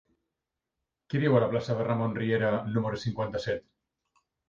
Qui viu a la plaça de Ramon Riera número cinquanta-set?